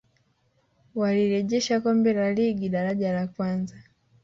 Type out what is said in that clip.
walilejesha kombe la ligi daraja la kwanza